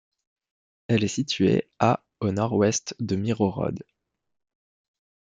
Elle est située à au nord-ouest de Myrhorod.